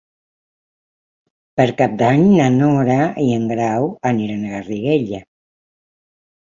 Per Cap d'Any na Nora i en Grau aniran a Garriguella.